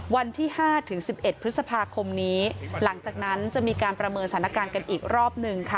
วันที่๕ถึง๑๑พฤษภาคมนี้หลังจากนั้นจะมีการประเมินสถานการณ์กันอีกรอบหนึ่งค่ะ